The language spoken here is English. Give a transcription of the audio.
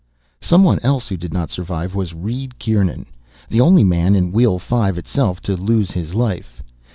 Someone else who did not survive was Reed Kieran, the only man in Wheel Five itself to lose his life.